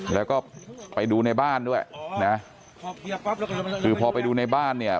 แล้วก็ไปดูในบ้านด้วยนะคือพอไปดูในบ้านเนี่ย